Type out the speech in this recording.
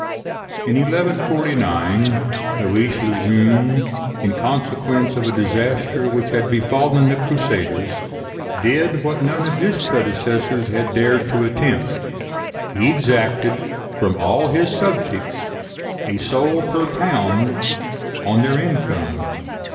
In 1149, Louis le Jeune, in consequence of a disaster which had befallen the Crusaders, did what none of his predecessors had dared to attempt: he exacted from all his subjects a sol per pound on their income.